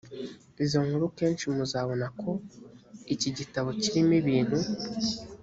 izo nkuru kenshi muzabona ko iki gitabo kirimo ibintu